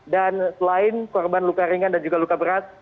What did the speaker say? selain korban luka ringan dan juga luka berat